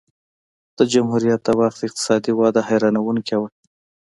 د جمهوریت د وخت اقتصادي وده حیرانوونکې وه